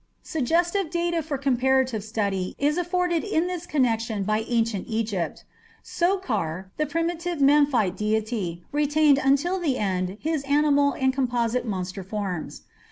Suggestive data for comparative study is afforded in this connection by ancient Egypt. Sokar, the primitive Memphite deity, retained until the end his animal and composite monster forms.